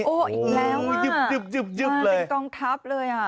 โอ้โหอีกแล้วยึบเลยเป็นกองทัพเลยอ่ะ